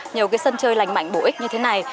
nhiều cái sân chơi lành mạnh bổ ích như thế này